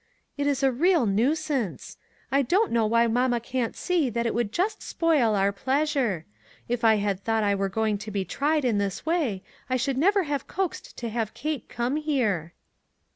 " It is a real nuisance ! I don't know why mamma can't see that it would just spoil our pleasure. If I had thought I were going to be tried in this way, I should never have coaxed to have Kate come here."